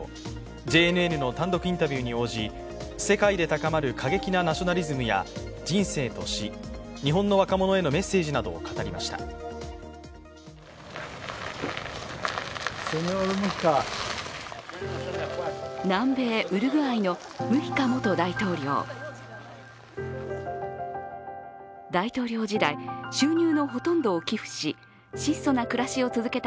ＪＮＮの単独インタビューに応じ世界で高まる過激なナショナリズムや人生と死、日本の若者へのメッセージなどを語りました。